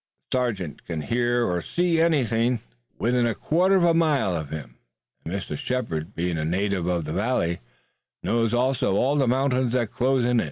The sergeant can hear or see anything within a quarter of a mile of him, and Mr. Shepard, being a native of the valley, knows also all the mountains that close it in."